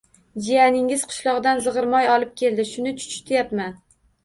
— Jiyaningiz qishloqdan zig‘ir moy olib keldi. Shuni chuchityapman.